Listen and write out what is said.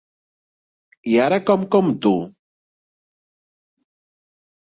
I ara com compto?